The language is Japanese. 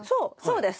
そうです